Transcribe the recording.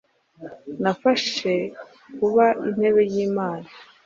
Nafashe kuba Intebe y'Imana.